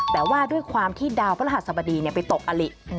แต่ว่าด้วยความที่ดาวพระรหัสบดีไปตกอลิ